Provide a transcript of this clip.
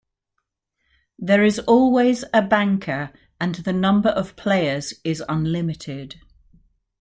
There is always a banker, and the number of players is unlimited.